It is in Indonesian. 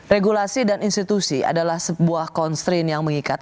regulasi dan institusi adalah sebuah constrain yang mengikat